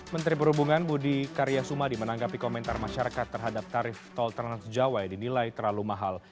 menteri perhubungan budi karya sumadi menanggapi komentar masyarakat terhadap tarif tol transjawa yang dinilai terlalu mahal